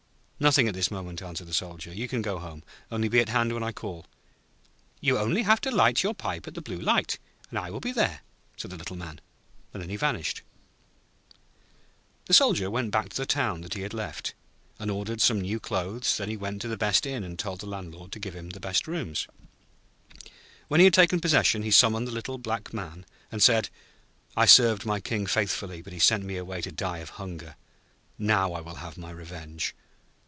'Nothing at this moment,' answered the Soldier. 'You can go home; only be at hand when I call.' 'You only have to light your pipe at the Blue Light, and I will be there,' said the Little Man, and then he vanished. The Soldier went back to the town that he had left, and ordered some new clothes, then he went to the best inn and told the landlord to give him the best rooms. [Illustration: Before long the Witch came by riding at a furious pace on a tom cat.] When he had taken possession, he summoned the little black Man, and said: 'I served my King faithfully, but he sent me away to die of hunger. Now I will have my revenge.'